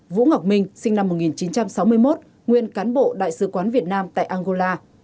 vũ ngọc minh sinh năm một nghìn chín trăm sáu mươi một nguyên cán bộ đại sứ quán việt nam tại angola